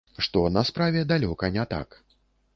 Што на справе далёка не так.